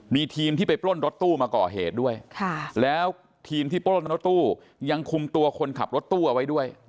มีทีมที่ไปปล้นรถตู้มาก่อเหตุด้วยแล้วทีมที่ปล้นรถตู้ยังคุมตัวคนขับรถตู้เอาไว้ด้วย